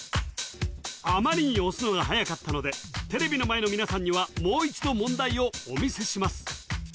あまりに押すのがはやかったのでテレビの前の皆さんにはもう一度問題をお見せします